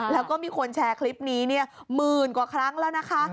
แล้วก็มีคนแชร์คลิปนี้หมื่นกว่าครั้งแล้วนะคะ